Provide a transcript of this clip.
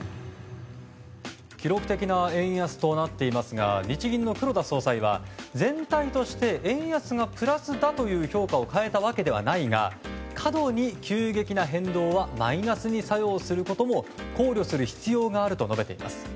記録的な円安となっていますが日銀の黒田総裁は全体として円安がプラスだという評価を変えたわけではないが過度に急激な変動はマイナスに作用することも考慮する必要があると述べています。